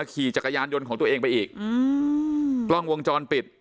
ขี่จักรยานยนต์ของตัวเองไปอีกอืมกล้องวงจรปิด